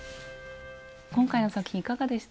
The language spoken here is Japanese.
今回の作品いかがでしたか？